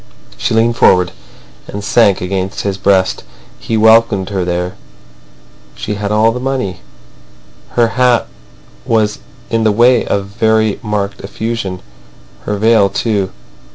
She leaned forward, and sank against his breast. He welcomed her there. She had all the money. Her hat was in the way of very marked effusion; her veil too.